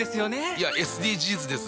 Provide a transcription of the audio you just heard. いやＳＤＧｓです。